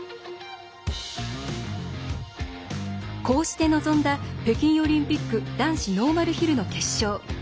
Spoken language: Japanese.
こうして臨んだ北京オリンピック男子ノーマルヒルの決勝。